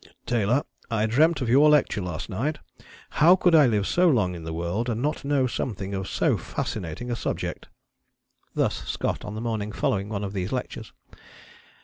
"Taylor, I dreamt of your lecture last night. How could I live so long in the world and not know something of so fascinating a subject!" Thus Scott on the morning following one of these lectures.